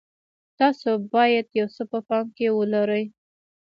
تاسو باید یو څه په پام کې ولرئ.